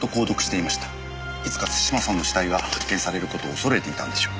いつか津島さんの死体が発見される事を恐れていたんでしょう。